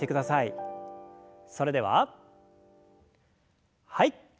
それでははい。